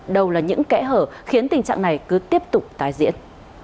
đâu là những kẽ hở khiến tình trạng này cứ tiếp tục tái diễn